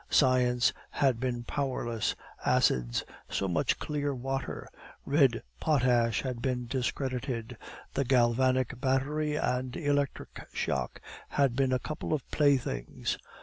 Science had been powerless; acids, so much clear water; red potash had been discredited; the galvanic battery and electric shock had been a couple of playthings.